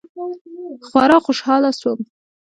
خورا خوشاله سوم.